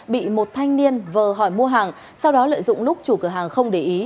bị một thanh niên vờ hỏi mua hàng sau đó lợi dụng lúc chủ cửa hàng không để ý